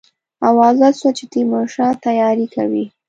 آوازه سوه چې تیمورشاه تیاری کوي.